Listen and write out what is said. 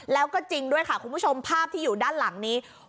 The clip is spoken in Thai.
แล้วก็จริงด้วยค่ะคุณผู้ชมภาพที่อยู่ด้านหลังนี้